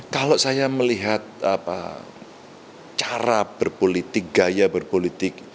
kalau saya melihat cara berpolitik gaya berpolitik